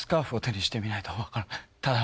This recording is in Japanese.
ただ。